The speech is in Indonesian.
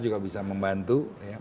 juga bisa membantu